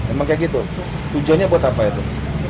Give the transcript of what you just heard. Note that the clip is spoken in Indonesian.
emang kayak gitu tujuannya buat apa itu